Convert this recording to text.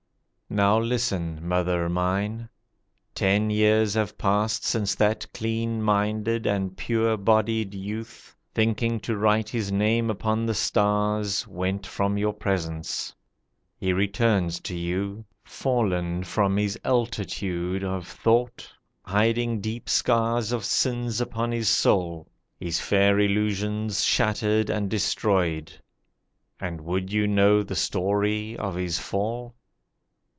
Now listen, mother mine: Ten years have passed Since that clean minded and pure bodied youth, Thinking to write his name upon the stars, Went from your presence. He returns to you Fallen from his altitude of thought, Hiding deep scars of sins upon his soul, His fair illusions shattered and destroyed. And would you know the story of his fall?